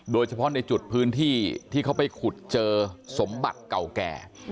โดยเฉพาะในจุดพื้นที่ที่เขาไปขุดเจอสมบัติเก่าแก่